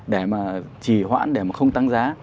để mà chỉ hoãn để mà không tăng giá